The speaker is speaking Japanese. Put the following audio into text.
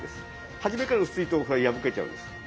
初めから薄いと破けちゃうんです。